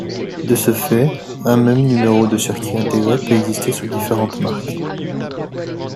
De ce fait, un même numéro de circuit intégré peut exister sous différentes marques.